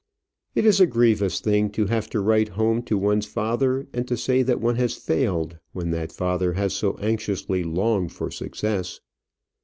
It is a grievous thing to have to write home to one's father, and to say that one has failed when that father has so anxiously longed for success.